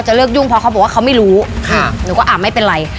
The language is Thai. หนูก็อะไม่เป็นไร